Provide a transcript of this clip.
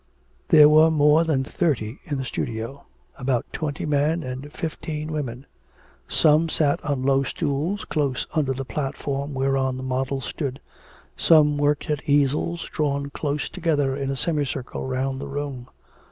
There were more than thirty in the studio; about twenty men and fifteen women. Some sat on low stools close under the platform whereon the model stood, some worked at easels drawn close together in a semicircle round the room.